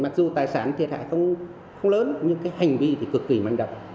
mặc dù tài sản thiệt hại không lớn nhưng hành vi cực kỳ manh động